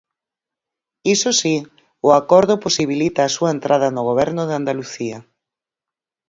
Iso si, o acordo posibilita a súa entrada no goberno de Andalucía.